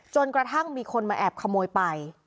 จนกระทั่งมีคนมาแอบขโมยไป